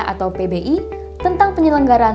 atau pbi tentang penyelenggaran